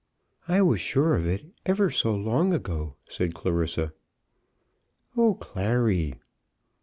"I was sure of it, ever so long ago," said Clarissa. "Oh, Clary!"